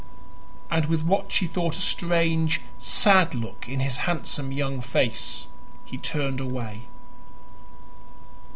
And with what she thought a strange, sad look in his handsome young face, he turned away.